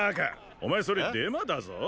おまえそれデマだぞ。